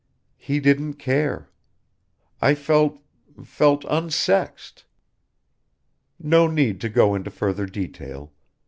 He didn't care. I felt felt unsexed! "No need to go into further detail.